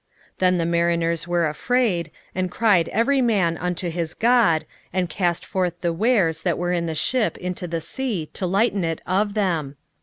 1:5 Then the mariners were afraid, and cried every man unto his god, and cast forth the wares that were in the ship into the sea, to lighten it of them.